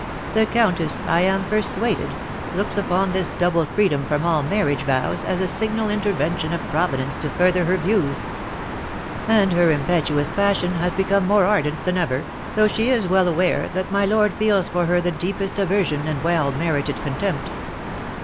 The countess, I am persuaded, looks upon this double freedom from all marriage vows as a signal intervention of Providence to further her views." "And her impetuous passion has become more ardent than ever, though she is well aware that my lord feels for her the deepest aversion and well merited contempt.